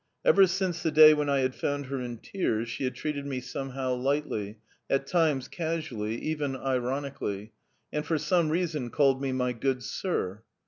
Ever since the day when I had found her in tears she had treated me somehow lightly, at times casually, even ironically, and for some reason called me "My good sir."